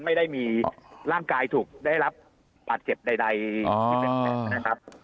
ไม่ได้มีร่างกายถูกได้รับบาดเจ็บใดนะครับ